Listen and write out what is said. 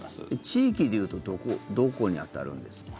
地域でいうとどこに当たるんですか？